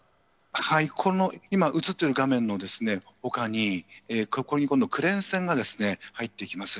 この今、写っている画面のほかに、ここに今度クレーン船が入ってきます。